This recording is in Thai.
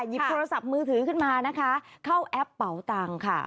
หยิบโทรศัพท์มือถือขึ้นมานะคะเข้าแอปเป่าตังค์ค่ะ